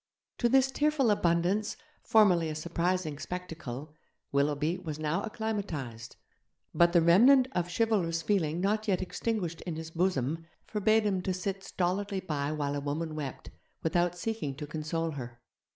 To this tearful abundance, formerly a surprising spectacle, Willoughby was now acclimatized; but the remnant of chivalrous feeling not yet extinguished in his bosom forbade him to sit stolidly by while a woman wept, without seeking to console her.